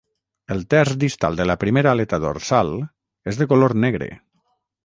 El terç distal de la primera aleta dorsal és de color negre.